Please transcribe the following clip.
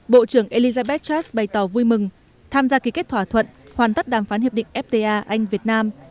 bộ trưởng elizabeth charles bày tỏ vui mừng tham gia ký kết thỏa thuận hoàn tất đàm phán hiệp định fta anh việt nam